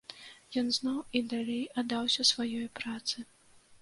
Ён зноў і далей аддаўся сваёй працы.